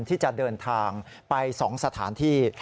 ที่จะเดินทางไป๒สถานที่